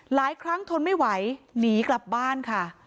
หลายครั้งทนไม่ไหวหนีกลับบ้านค่ะ